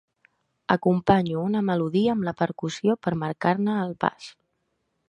Acompanyo una melodia amb la percussió per marcar-ne el pas.